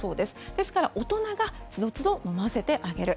ですから、大人がつどつど飲ませてあげる。